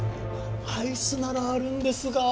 アイスならあるんですが。